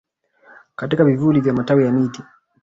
katika vivuli vya matawi ya miti